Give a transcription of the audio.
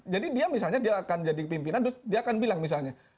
jadi dia misalnya dia akan jadi pimpinan dia akan bilang misalnya